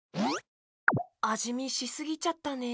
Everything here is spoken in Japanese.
あじみしすぎちゃったね。